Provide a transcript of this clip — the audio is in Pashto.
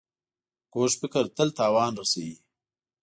کوږ فکر تل تاوان رسوي